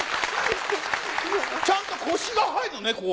ちゃんと腰が入るのねこう。